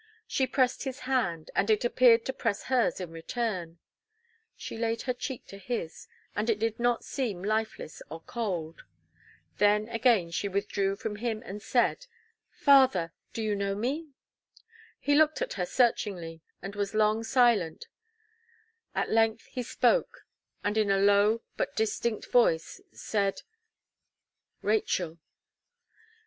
She pressed his hand, and it appeared to press hers in return; she laid her cheek to his, and it did not seem lifeless or cold. Then, again she withdrew from him and said: "Father, do you know me?" He looked at her searchingly and was long silent: at length he spoke, and in a low but distinct voice, said: "Rachel."